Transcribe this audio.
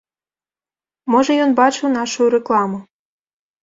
Можа ён бачыў нашую рэкламу.